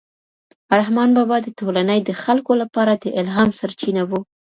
رحمان بابا د ټولنې د خلکو لپاره د الهام سرچینه و.